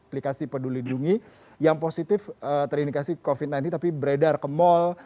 aplikasi peduli lindungi yang positif terindikasi covid sembilan belas tapi beredar ke mal